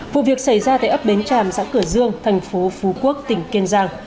vụ việc xảy ra tại ấp bến tràm xã cửa dương thành phố phú quốc tỉnh kiên giang